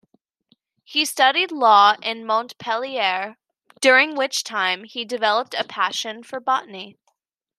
He studied law in Montpellier, during which time, he developed a passion for botany.